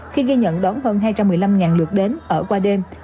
khi ghi nhận đón hơn hai trăm một mươi năm lượt đến ở qua đêm